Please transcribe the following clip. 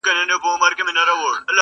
رستمان یې زور ته نه سوای ټینګېدلای!